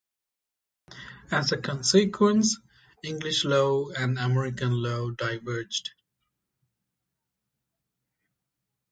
As a consequence, English law and American law diverged.